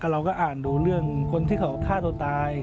เราก็อ่านดูเรื่องคนที่เขาฆ่าตัวตาย